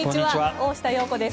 大下容子です。